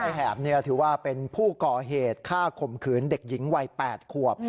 แหบถือว่าเป็นผู้ก่อเหตุฆ่าข่มขืนเด็กหญิงวัย๘ขวบ